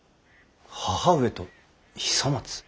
母上と久松？